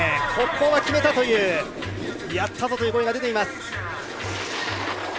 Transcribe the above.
ここは決めたというやったぞという声が出ています。